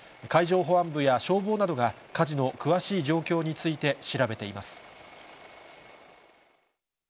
海上保安部や消防などが、火事の詳しい状況について調べています。